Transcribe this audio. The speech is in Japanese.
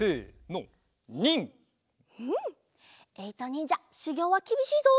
えいとにんじゃしゅぎょうはきびしいぞ。